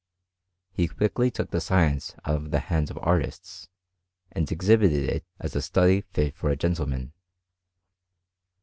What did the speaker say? He quickly took the science out of the hands of artists, and exhibited it as a study fit for a gentleman.